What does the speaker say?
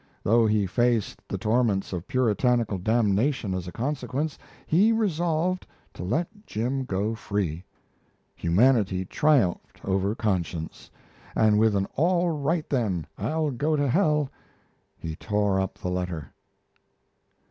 Though he faced the torments of Puritanical damnation as a consequence, he resolved to let Jim go free. Humanity triumphed over conscience and with an "All right, then, I'll go to hell," he tore up the letter.